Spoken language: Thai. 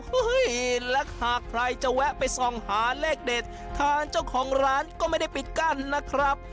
และหากใครจะแวะไปส่องหาเลขเด็ดทางเจ้าของร้านก็ไม่ได้ปิดกั้นนะครับ